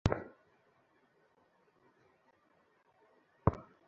সুচরিতা কহিল, গ্রীসে রোমেও তো মূর্তিপূজা ছিল।